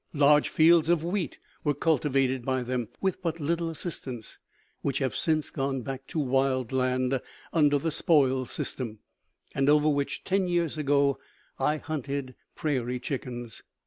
Large fields of wheat were cultivated by them, with but little assistance, which have since gone back to wild land under the "spoils system," and over which, ten years ago, I hunted prairie chickens.